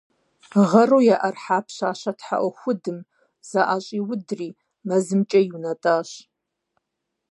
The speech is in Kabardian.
Гъэру яӀэрыхьа пщащэ тхьэӀухудым, заӀэщӀиудри, мэзымкӀэ иунэтӀащ.